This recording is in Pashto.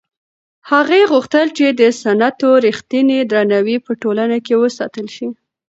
هغې غوښتل چې د سنتو رښتینی درناوی په ټولنه کې وساتل شي.